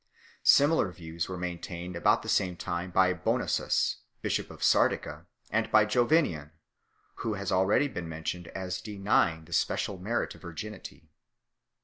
Similar views were maintained about the same time by Bonosus, bishop of Sardica, and by Jovinian, who has already been mentioned as denying the special merit of virginity.